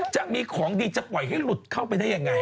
จะมีของดีจะปล่อยให้หลุดเข้าไปได้ยังไง